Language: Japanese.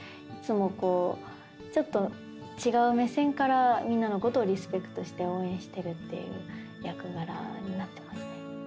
ちょっと違う目線からみんなのことをリスペクトして応援してるっていう役柄になってますね。